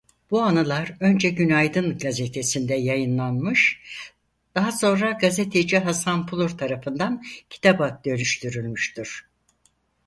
Bu anılar önce Günaydın Gazetesi'nde yayınlanmış daha sonra gazeteci Hasan Pulur tarafından kitaba dönüştürülmüştür.